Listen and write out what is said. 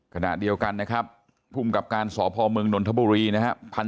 กระดาษเดียวกันนะครับภูมิกับการสพมนนทบุรีนะครับพัน